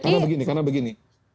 karena begini karena begini